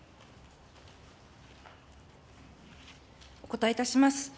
お答えいたします。